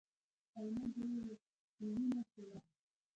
او نۀ د وينو سيلاب ،